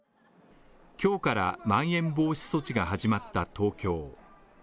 今日からまん延防止措置が始まった東京。